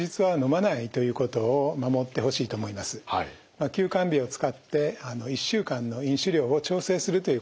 まあ休肝日を使って１週間の飲酒量を調整するということが大事でしょう。